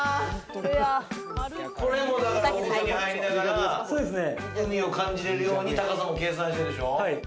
これもお風呂に入りながら海を感じれるように高さを計算してるんでしょ？